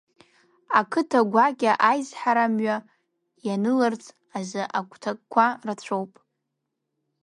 Иқыҭа гәакьа аизҳарамҩа ианыларц азы игәҭакқәа рацәоуп.